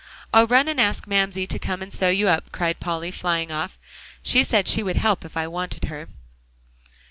"I'll run and ask Mamsie to come and sew you up," cried Polly, flying off. "She said she would help, if we wanted her."